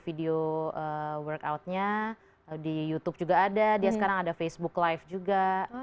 video workoutnya di youtube juga ada dia sekarang ada facebook live juga